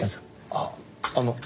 あっあの。